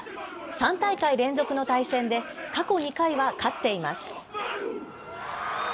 ３大会連続の対戦で過去２回は勝っています。